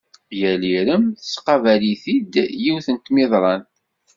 Yal irem tettqabal-it-id yiwet n tmiḍrant.